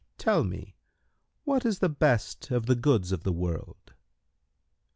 Tell me, what is the best of the goods of the world?"